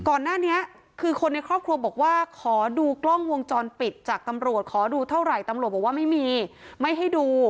ก่อนหน้านี้คือคนในครอบครัวบอกว่าขอดูกล้องวงจรปิดจากตำรวจขอดูเท่าไหร่ตำรวจบอกว่าไม่มีไม่ให้ดู